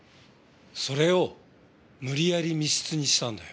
それを無理やり密室にしたんだよ。